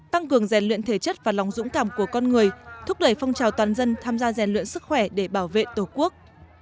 tăng cường rèn luyện thể chất và lòng dũng cảm của con người thúc đẩy phong trào toàn dân tham gia rèn luyện sức khỏe để bảo vệ tổ quốc